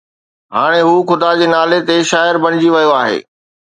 هاڻي هو خدا جي نالي تي شاعر بڻجي ويو آهي